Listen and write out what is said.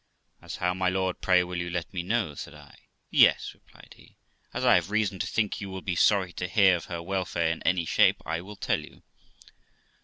'As how, my lord, pray will you let me know?' said I. 'Yes', replied he, 'as I have reason to think you will be sorry to hear of her welfare in any shape, I will tell you.